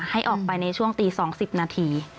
ให้ออกไปในช่วงตี๒๐นาที